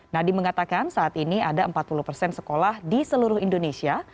nadiem mengatakan saat ini ada empat puluh persen sekolah di seluruh indonesia